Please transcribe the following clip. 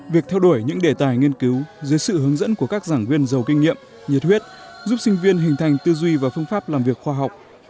việc theo đuổi những đề tài nghiên cứu dưới sự hướng dẫn của các giảng viên giàu kinh nghiệm nhiệt huyết giúp sinh viên hình thành tư duy và phương pháp làm việc khoa học